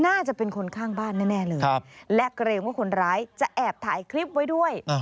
น่าจะเป็นคนข้างบ้านแน่เลยและเกรงว่าคนร้ายจะแอบถ่ายคลิปไว้ด้วย